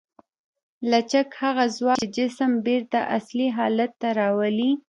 لچک هغه ځواک دی چې جسم بېرته اصلي حالت ته راولي.